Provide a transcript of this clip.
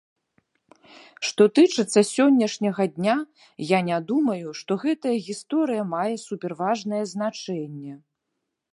Што тычыцца сённяшняга дня, я не думаю, што гэтая гісторыя мае суперважнае значэнне.